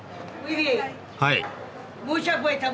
はい。